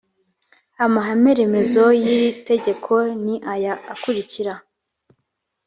amahame remezo y iri tegeko ni aya akurikira